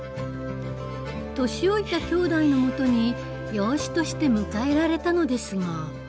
年老いたきょうだいのもとに養子として迎えられたのですが。